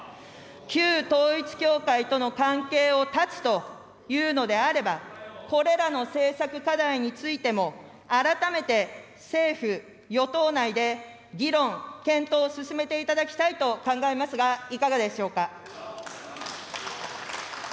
旧統一教会との関係を断つと言うのであれば、これらの政策課題についても改めて政府・与党内で議論、検討を進めていただきたいと考えますがいかがでしょうか。